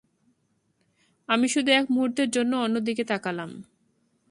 আমি শুধু এক মূহুর্তের জন্য অন্যদিকে তাকালাম।